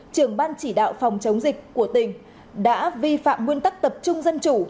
trưởng ban chỉ đạo phòng chống dịch của tỉnh đã vi phạm nguyên tắc tập trung dân chủ